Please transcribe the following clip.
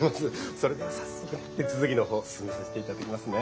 それでは早速手続きの方進めさせて頂きますね。